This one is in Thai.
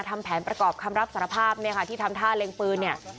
ทำแผนประกอบคำรับสารภาพที่ทำท่าเล็งปืน